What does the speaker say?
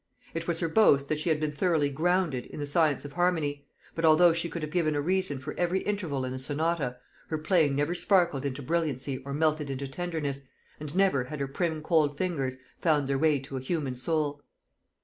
It was her boast that she had been thoroughly "grounded" in the science of harmony; but although she could have given a reason for every interval in a sonata, her playing never sparkled into brilliancy or melted into tenderness, and never had her prim cold fingers found their way to a human soul.